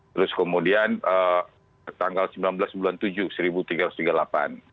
terus kemudian tanggal sembilan belas bulan tujuh seribu tiga ratus tiga puluh delapan